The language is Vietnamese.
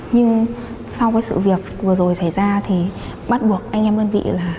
nhưng sau sự việc vừa rồi xảy ra thì bắt buộc anh em đơn vị